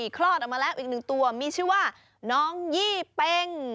คลอดออกมาแล้วอีกหนึ่งตัวมีชื่อว่าน้องยี่เป็ง